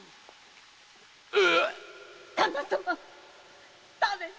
〔旦那様誰に？